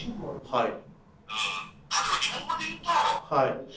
はい。